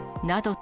と